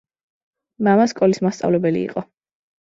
მამა სკოლის მასწავლებელი იყო.